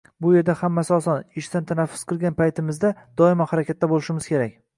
Bu yerda hammasi oson, ishdan tanaffus qilgan paytimizda doimo harakatda bo‘lishimiz kerak.